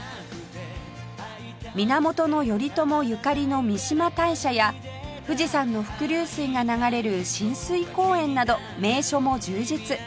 源頼朝ゆかりの三嶋大社や富士山の伏流水が流れる親水公園など名所も充実